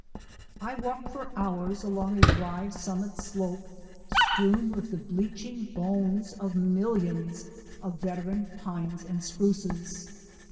I walked for hours along a dry summit slope strewn with the bleaching bones of millions of veteran pines and spruces.